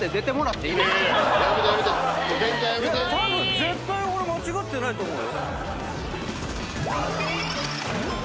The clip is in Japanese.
絶対俺間違ってないと思うよ。